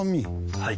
はい。